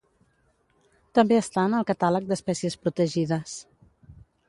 També està en el catàleg d’espècies protegides.